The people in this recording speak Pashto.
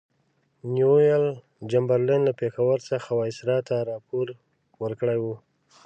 نیویل چمبرلین له پېښور څخه وایسرا ته راپور ورکړی وو.